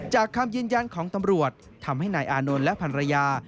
จากคำยืนยันของตำรวจทำให้นายอานนท์และพันธุ์ระยา